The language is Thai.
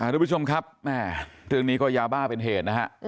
ทุกผู้ชมครับแม่เรื่องนี้ก็ยาบ้าเป็นเหตุนะฮะ